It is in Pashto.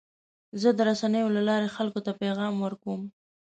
زه د رسنیو له لارې خلکو ته پیغام ورکوم.